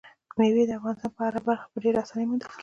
مېوې د افغانستان په هره برخه کې په ډېرې اسانۍ موندل کېږي.